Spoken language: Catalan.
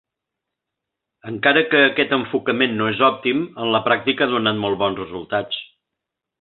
Encara que aquest enfocament no és òptim, en la pràctica ha donat molt bons resultats.